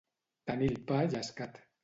Tenir el pa llescat.